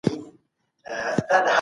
زه به سبا مځکي ته ګورم وم.